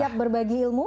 siap berbagi ilmu